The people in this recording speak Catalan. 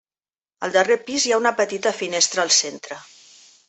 Al darrer pis hi ha una petita finestra al centre.